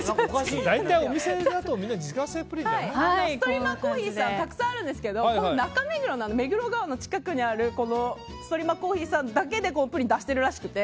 ストリーマーコーヒーさんたくさんあるんですけどこの中目黒の目黒川の近くにあるストリーマーコーヒーさんだけでプリンを出してるらしくて。